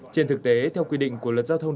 trên thực tế theo quy định của luật giao thông